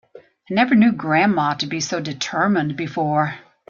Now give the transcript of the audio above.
I never knew grandma to be so determined before.